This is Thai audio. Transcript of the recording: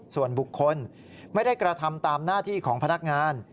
ส่วนบุคคลไม่ได้กระทำตามหน้าที่ของพนักงาน